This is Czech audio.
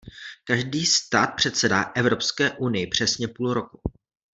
Každý stát předsedá Evropské unii přesně půl roku.